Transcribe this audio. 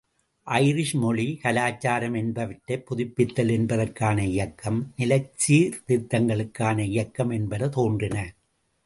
Irish மொழி, கலாசாரம் என்பவற்றைப் புதுப்பித்தல் என்பதற்கான இயக்கம், நிலச்சீர்திருத்தங்களுக்கான இயக்கம் என்பன தோன்றின.